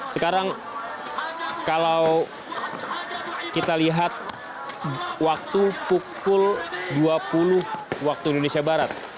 sekarang kalau kita lihat waktu pukul dua puluh waktu indonesia barat